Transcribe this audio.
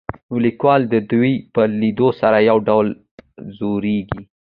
نو ليکوال د دوي په ليدو سره يو ډول ځوريږي.